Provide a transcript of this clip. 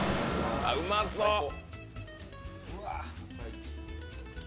うまそっ！